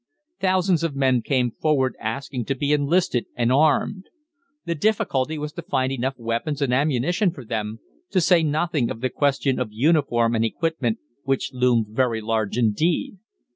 Thousands of men came forward asking to be enlisted and armed. The difficulty was to find enough weapons and ammunition for them, to say nothing of the question of uniform and equipment, which loomed very large indeed.